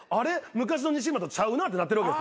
「昔の西村とちゃうな」ってなってるわけですよ。